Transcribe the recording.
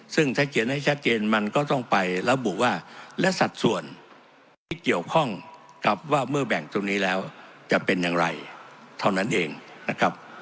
ซึ่งถ้าเขียนให้ชัดเจนมันก็ต้องไประบุว่าและสัดส่วนที่เกี่ยวข้องกับว่าเมื่อแบ่งตรงนี้แล้วจะเป็นอย่างไรเท่านั้นเองนะครับ